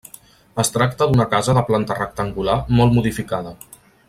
Es tracta d'una casa de planta rectangular molt modificada.